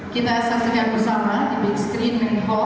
kita sesuai bersama di big screen main core